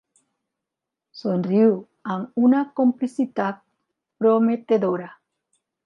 Somriu amb una complicitat prometedora.